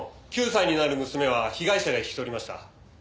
９歳になる娘は被害者が引き取りました。